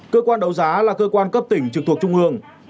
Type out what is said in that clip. cơ quan đấu giá là cơ quan cấp tỉnh trực thuộc trung ương